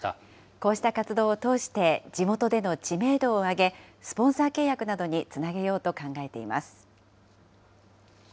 こうした活動を通して、地元での知名度を上げ、スポンサー契約などにつなげようと考えています。